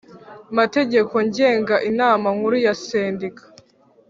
Mategeko ngenga inama nkuru ya sendika